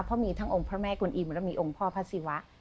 เพราะมีทั้งองค์พระแม่กวนอิมและมีองค์พ่อพระศิวะ